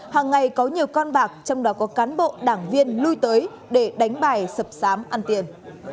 hàng ngày có nhiều con bạc trong đó có cán bộ đảng viên lui tới để đánh bài sập sám ăn tiền